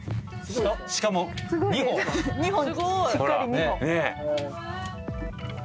しかも２本。